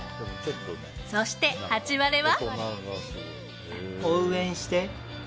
そして、ハチワレは。